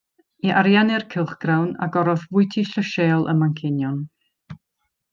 I ariannu'r cylchgrawn agorodd fwyty llysieuol ym Manceinion.